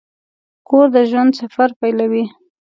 کور د ژوند سفر پیلوي.